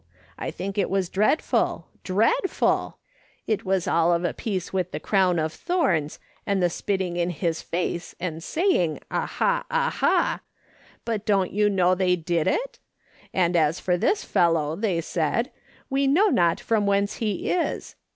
I think it was dread ful ! dreadful ! It was all of a piece with the crown of thorns, and the spitting in his face, and saying : Aha ! aha ! But don't you know they did it ? As for this fellow, they said, we know not from whence he is.